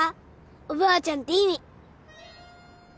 おばあちゃんって意味。